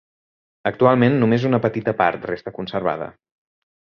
Actualment, només una petita part resta conservada.